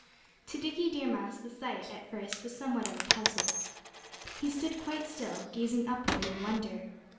To Dickie Deer Mouse the sight, at first, was somewhat of a puzzle. He stood quite still, gazing upward in wonder.